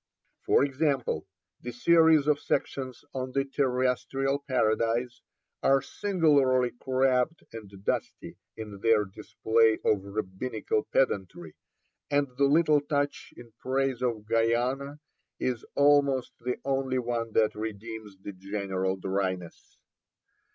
For example, the series of sections on the Terrestrial Paradise are singularly crabbed and dusty in their display of Rabbinical pedantry, and the little touch in praise of Guiana is almost the only one that redeems the general dryness.